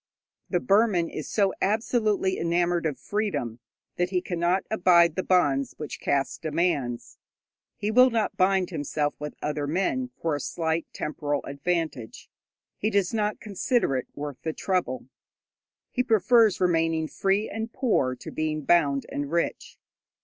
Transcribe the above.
The Burman is so absolutely enamoured of freedom, that he cannot abide the bonds which caste demands. He will not bind himself with other men for a slight temporal advantage; he does not consider it worth the trouble. He prefers remaining free and poor to being bound and rich.